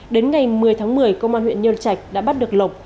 đến ngày một mươi tháng một mươi công an huyện nhân trạch đã bắt được lộc